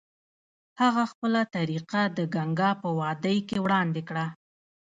هغه خپله طریقه د ګنګا په وادۍ کې وړاندې کړه.